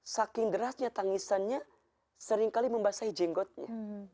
saking derasnya tangisannya seringkali membasahi jenggotnya